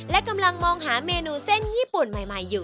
และกำลังมองหาเมนูเส้นญี่ปุ่นใหม่อยู่